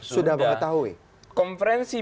sudah mengetahui konferensi